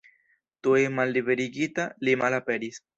Tuj malliberigita, li malaperis.